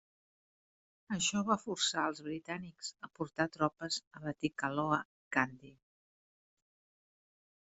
Això va forçar als britànics a portar tropes de Batticaloa i Kandy.